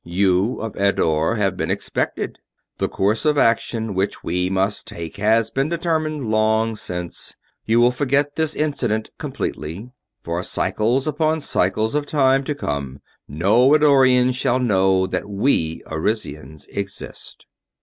"You of Eddore have been expected. The course of action which we must take has been determined long since. You will forget this incident completely. For cycles upon cycles of time to come no Eddorian shall know that we Arisians exist."